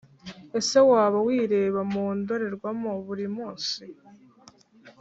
Ese waba wireba mu ndorerwamo buri munssi